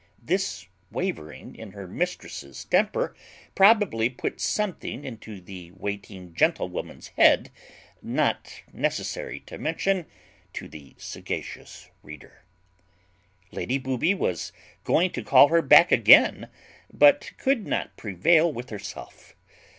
This wavering in her mistress's temper probably put something into the waiting gentlewoman's head not necessary to mention to the sagacious reader. Lady Booby was going to call her back again, but could not prevail with herself.